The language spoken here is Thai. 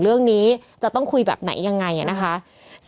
เพื่อไม่ให้เชื้อมันกระจายหรือว่าขยายตัวเพิ่มมากขึ้น